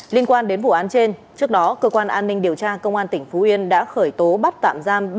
liên quan đến vụ án trên trước đó cơ quan an ninh điều tra công an tỉnh phú yên đã khởi tố bắt tạm giam